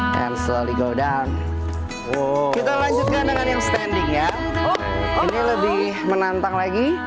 dan slowly go dan kita lanjutkan dengan yang standing ya ini lebih menantang lagi